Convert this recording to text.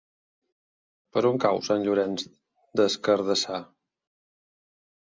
Per on cau Sant Llorenç des Cardassar?